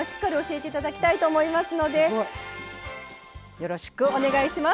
よろしくお願いします。